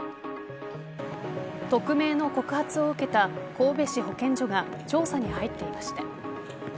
匿名の告発を受けた神戸市保健所が調査に入っていました。